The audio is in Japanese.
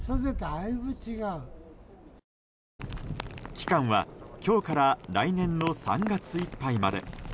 期間は、今日から来年の３月いっぱいまで。